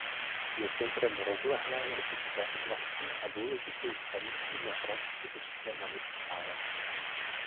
Je centrem rozlehlé Irkutské oblasti a důležitou stanicí na Transsibiřské magistrále.